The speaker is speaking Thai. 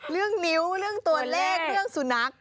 เรื่องนิ้วเรื่องตัวเลขเรื่องสุนัข